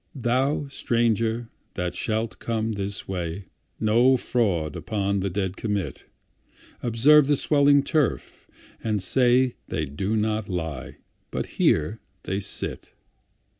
Thou, stranger, that shalt come this way, No fraud upon the dead commit,—Observe the swelling turf, and say, They do not lie, but here they sit.